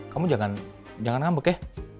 kamu jangan ngambek ya